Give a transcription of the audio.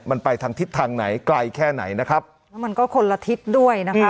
มันไปทางทิศทางไหนไกลแค่ไหนนะครับแล้วมันก็คนละทิศด้วยนะคะ